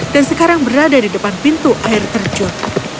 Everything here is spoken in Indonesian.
dan sekarang berada di depan pintu air terjun